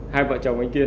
hai vợ chồng anh kiên